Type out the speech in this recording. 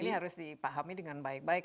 ini harus dipahami dengan baik baik